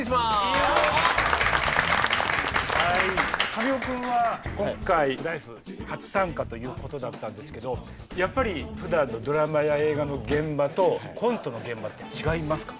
神尾君は今回「ＬＩＦＥ！」初参加ということだったんですけどやっぱりふだんのドラマや映画の現場とコントの現場って違いますか？